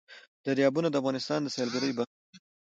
دریابونه د افغانستان د سیلګرۍ برخه ده.